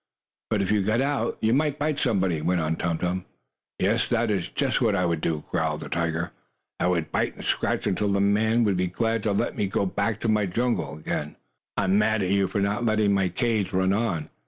"But if you got out, you might bite someone," went on Tum Tum. "Yes, that is just what I would do," growled the tiger. "I would bite and scratch until the men would be glad to let me go back to my jungle again. I am mad at you for not letting my cage run on.